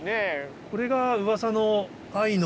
これがうわさの愛の。